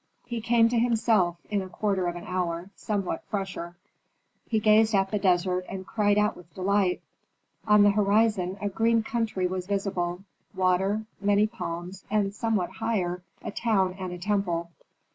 He came to himself, in a quarter of an hour, somewhat fresher. He gazed at the desert and cried out with delight: on the horizon a green country was visible, water, many palms, and somewhat higher, a town and a temple.